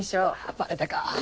バレたか。